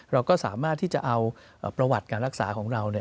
เราก็สามารถที่จะเอาประวัติการรักษาของเรา